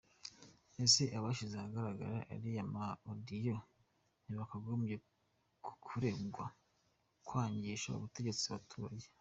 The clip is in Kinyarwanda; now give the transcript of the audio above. Ese abashyize ahagaragara ariya ma audios ntibagombye kuregwa kwangisha ubutegetsi abaturage?